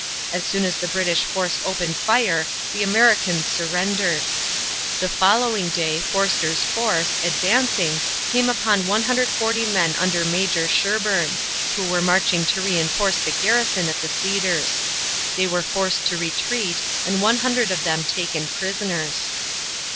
As soon as the British force opened fire the Americans surrendered. The following day Forster's force, advancing, came upon 140 men under Major Sherbourne, who were marching to re enforce the garrison at the Cedars. These were forced to retreat and 100 of them taken prisoners.